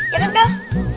ya kan kak